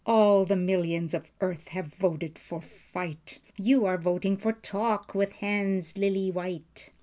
All the millions of earth have voted for fight. You are voting for talk, with hands lily white."